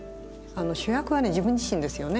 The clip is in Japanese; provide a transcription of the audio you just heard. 主役は自分自身ですよね。